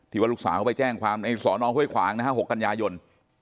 ที่วรุกศาเข้าไปแจ้งในศนพขวางนะฮะ๖กันยายน